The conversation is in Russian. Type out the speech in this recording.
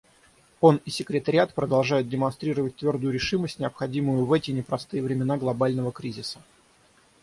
Он и Секретариат продолжают демонстрировать твердую решимость, необходимую в эти непростые времена глобального кризиса.